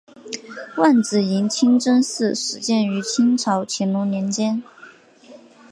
万子营清真寺始建于清朝乾隆年间。